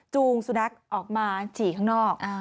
สุนัขออกมาฉี่ข้างนอก